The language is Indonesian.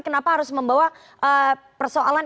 kenapa harus membawa persoalan